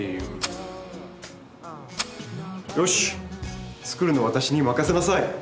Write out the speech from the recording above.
よし作るのは私に任せなさい。